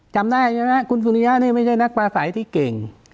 จำหน้าคุณสุริยะไม่ใช่นักประสัยที่เก่ง